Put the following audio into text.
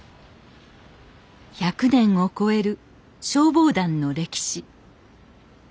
１００年を超える消防団の歴史。